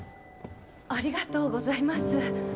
ありがとうございます。